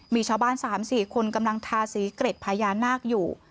มีชาวบ้าน๓๔คนกำลังทาสีเกร็ดพญานาคอยู่